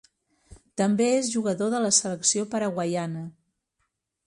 També és jugador de la selecció paraguaiana.